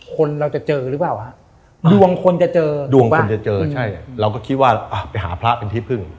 คนเราจะเจอหรือเปล่าฮะดวงคนจะเจอดวงคนจะเจอใช่เราก็คิดว่าอ่ะไปหาพระเป็นที่พึ่ง